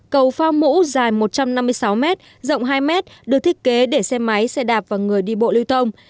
cầu phao mũ dài một trăm năm mươi sáu m rộng hai m được thiết kế để xe máy xe đạp và người đi bộ lưu thông